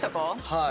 はい。